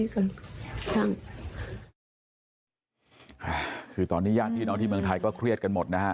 คือตอนนี้ญาติพี่น้องที่เมืองไทยก็เครียดกันหมดนะฮะ